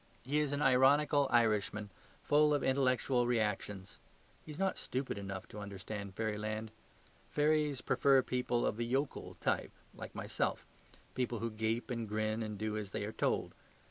He is an ironical Irishman, full of intellectual reactions. He is not stupid enough to understand fairyland. Fairies prefer people of the yokel type like myself; people who gape and grin and do as they are told. Mr.